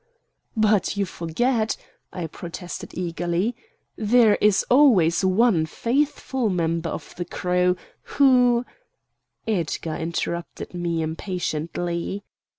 "But you forget," I protested eagerly, "there is always one faithful member of the crew, who——" Edgar interrupted me impatiently.